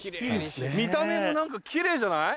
見た目も何か奇麗じゃない？